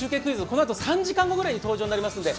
このあと３時間後ぐらいに登場になりますので。